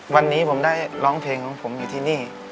วันนี้ผมได้ร้องเพลงของผมอยู่ที่นี่